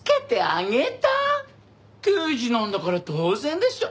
刑事なんだから当然でしょ。